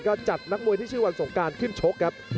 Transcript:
ก็จัดนักมวยที่ชื่อวันสงการขึ้นชกครับ